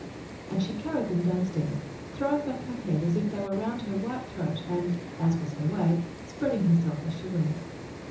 and she carried them with her downstairs, throwing back her head as if they were round her white throat and as was her way spreading herself as she went.